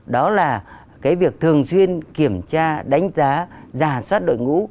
đó là cái việc thường xuyên kiểm tra đánh giá giả soát đội ngũ